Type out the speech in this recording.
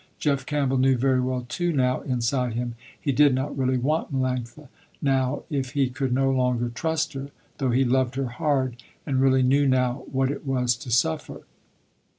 Jeff Campbell knew very well too now inside him, he did not really want Melanctha, now if he could no longer trust her, though he loved her hard and really knew now what it was to suffer.